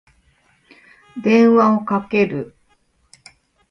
電話をかける。